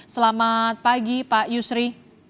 selamat pagi pak yusri